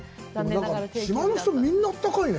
島の人みんなあったかいね。